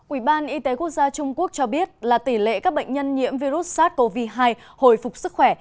ủy ban y tế quốc gia trung quốc cho biết là tỷ lệ các bệnh nhân nhiễm virus sars cov hai hồi phục sức khỏe